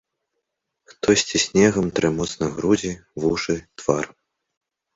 Хтосьці снегам трэ моцна грудзі, вушы, твар.